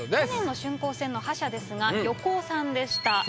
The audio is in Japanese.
去年の春光戦の覇者ですが横尾さんでした。